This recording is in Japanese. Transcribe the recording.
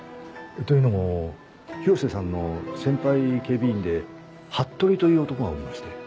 というのも広瀬さんの先輩警備員で服部という男がおりまして。